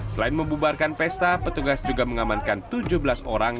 selain membubarkan pesta petugas juga mengamankan tujuh belas orang